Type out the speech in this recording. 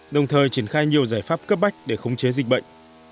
đồng thời triển khai nhiều giải pháp cấp bách để khống chế dịch bệnh